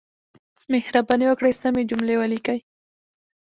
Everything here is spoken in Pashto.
مهرباني وکړئ سمې جملې ولیکئ.